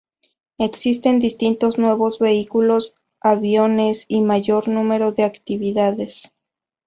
Existen distintos nuevos vehículos, aviones y mayor número de actividades.